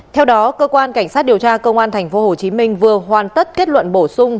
theo đó cơ quan cảnh sát điều tra công an tp hcm vừa hoàn tất kết luận bổ sung